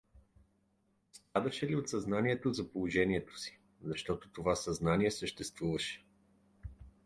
Страдаше ли от съзнанието за положението си — защото това съзнание съществуваше?